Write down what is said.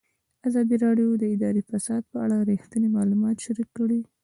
ازادي راډیو د اداري فساد په اړه رښتیني معلومات شریک کړي.